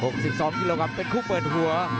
๖๒กิโลกรัมเป็นคู่เปิดหัว